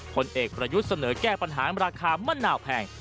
ผลเอกประยุทธ์เสนอแก้ปัญหาราคามะนาวแพง